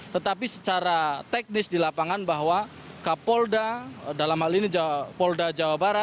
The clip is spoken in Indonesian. tetapi secara teknis di lapangan bahwa kapolda dalam hal ini kapolda jabar